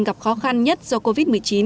gặp khó khăn nhất do covid một mươi chín